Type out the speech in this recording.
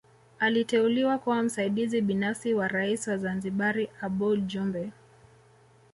Aliteuliwa kuwa msaidizi binafsi wa Rais wa Zanzibari Aboud Jumbe